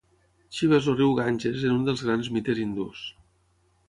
Xiva és el riu Ganges en un dels grans mites hindús.